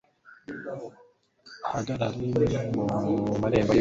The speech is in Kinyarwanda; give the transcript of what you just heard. ahagarare mu marembo y'umugi